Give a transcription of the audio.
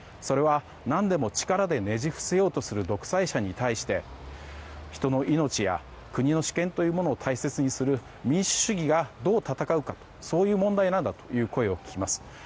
それは何でも力でねじ伏せようとする独裁者に対して人の命や、国の主権というものを大切にする民主主義がどう戦うかそういう問題なんだという声を聞きます。